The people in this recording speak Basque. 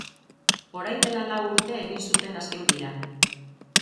Orain dela lau urte egin zuten azken bira.